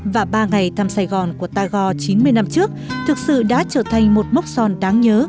và ba ngày thăm sài gòn của tagore chín mươi năm trước thực sự đã trở thành một mốc son đáng nhớ